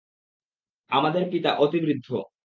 আমাদের পিতা অতি বৃদ্ধ।